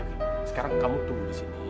sekarang kamu tumbuh di sini